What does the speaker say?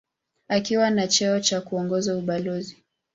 Akiwa na cheo cha kuongoza ubalozi.